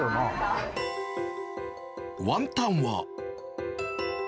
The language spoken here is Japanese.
ワンタンは。